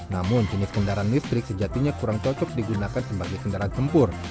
namun jenis kendaraan listrik sejatinya kurang cocok digunakan sebagai kendaraan tempur